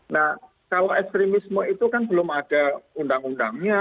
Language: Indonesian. nah kalau ekstremisme itu kan belum ada undang undangnya